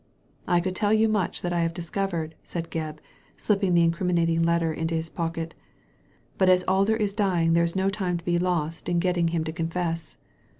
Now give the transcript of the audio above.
'' I could tell you much that I have discovered," said Gebb, slipping the incriminating letter into his pocket, "but as Alder is dying there is no time to be lost in getting him to confess."